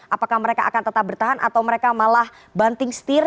apakah mereka akan tetap bertahan atau mereka malah banting setir